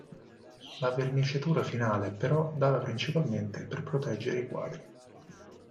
La verniciatura finale è però data principalmente per proteggere i quadri.